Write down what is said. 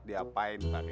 tidak v nunia